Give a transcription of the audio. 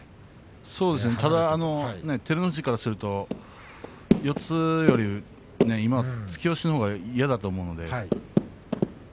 ただ照ノ富士からすると四つより突き押しのほうが嫌だと思います。